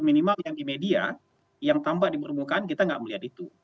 minimal yang di media yang tampak di permukaan kita nggak melihat itu